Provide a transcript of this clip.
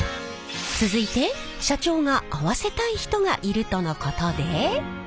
続いて社長が会わせたい人がいるとのことで。